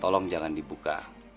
tolong jangan dibuka